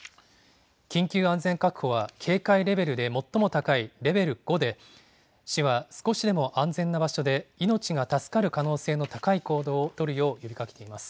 緊急安全確保は、警戒レベルで最も高いレベル５で、市は少しでも安全な場所で命が助かる可能性が高い行動を取るよう呼びかけています。